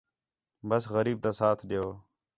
بس غریب تا ساتھ ݙیؤ